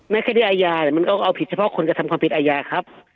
คดีอาญามันก็เอาผิดเฉพาะคนกระทำความผิดอาญาครับ